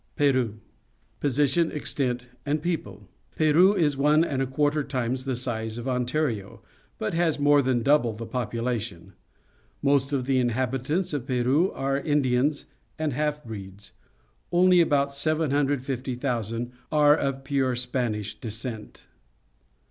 PERU Position, Extent, and People. — Peru is one and a quarter times the size of Ontario, but has more than double the population. ^Nlost of the inhabitants of Peru are Indians and half breeds. Only about 750,000 are of pure Spanish descent.